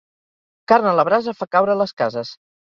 Carn a la brasa fa caure les cases.